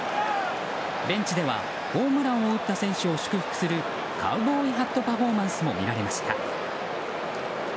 ベンチではホームランを打った選手を祝福するカウボーイハットパフォーマンスも見られました。